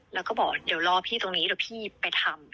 แล้วก็บอกเดี๋ยวรอพี่ตรงนี้เดี๋ยวพี่ไปทำ